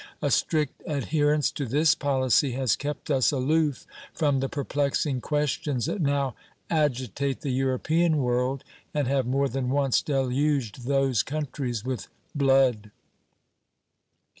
A strict adherence to this policy has kept us aloof from the perplexing questions that now agitate the European world and have more than once deluged those countries with blood.